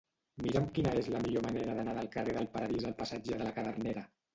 Mira'm quina és la millor manera d'anar del carrer del Paradís al passatge de la Cadernera.